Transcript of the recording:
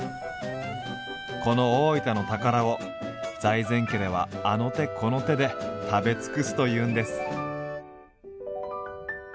この大分の宝を財前家ではあの手この手で食べ尽くすというんです。